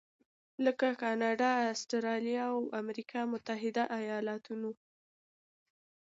لکه کاناډا، اسټرالیا او امریکا متحده ایالتونو.